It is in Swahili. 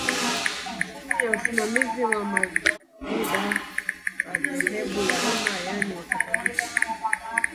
Chini ya usimamizi wa Mabruda wa dhehebu la Roma yaani wakatoliki